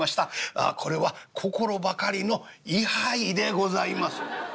ああこれは心ばかりの位牌でございます」。